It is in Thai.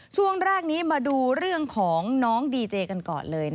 ช่วงแรกนี้มาดูเรื่องของน้องดีเจกันก่อนเลย